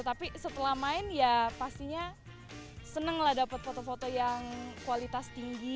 tapi setelah main ya pastinya senang lah dapat foto foto yang kualitas tinggi